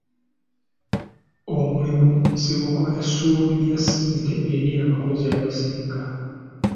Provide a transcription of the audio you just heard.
Omulimi nsibuko ya ssuubi lya ssente eri abakozi abasinga.